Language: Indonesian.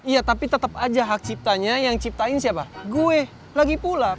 iya tapi tetap aja hak ciptanya yang ciptain siapa gue lagi pula